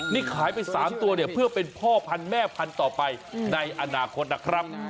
นี่ขายไป๓ตัวเนี่ยเพื่อเป็นพ่อพันธุ์แม่พันธุ์ต่อไปในอนาคตนะครับ